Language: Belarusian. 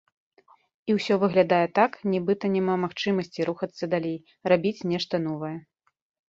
І ўсё выглядае так, нібыта няма магчымасці рухацца далей, рабіць нешта новае.